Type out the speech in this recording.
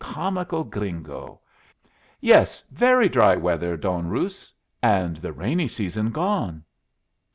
Comical gringo! Yes, very dry weather, Don Ruz. And the rainy season gone!"